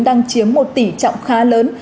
đang chiếm một tỉ trọng khá lớn